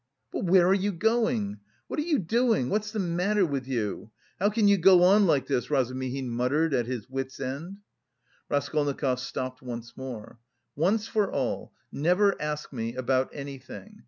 "But where are you going? What are you doing? What's the matter with you? How can you go on like this?" Razumihin muttered, at his wits' end. Raskolnikov stopped once more. "Once for all, never ask me about anything.